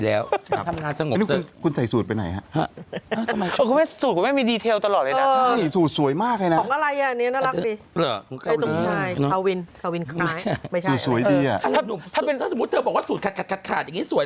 ถ้าสมมุติเธอบอกว่าสูตรขาดอย่างนี้สวย